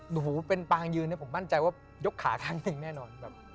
หูเป็นปางยืนเนี่ยผมมั่นใจว่ายกขาข้างหนึ่งแน่นอนแบบ